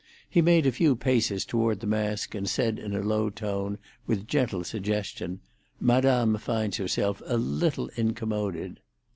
He made a few paces toward the mask, and said in a low tone, with gentle suggestion, "Madame finds herself a little incommoded."